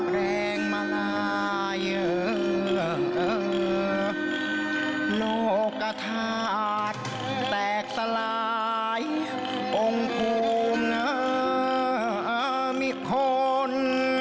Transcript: แรงมาลายโลกทัศน์แตกสลายองค์ภูมิมิค้น